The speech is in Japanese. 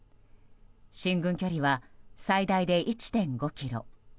進軍距離は最大で１．５ｋｍ。